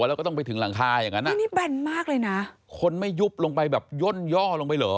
แล้วก็ต้องไปถึงหลังคาอย่างนั้นอ่ะอันนี้แบนมากเลยนะคนไม่ยุบลงไปแบบย่นย่อลงไปเหรอ